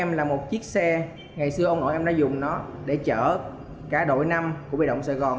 em là một chiếc xe ngày xưa ông nội em đã dùng nó để chở cả đội năm của biệt động sài gòn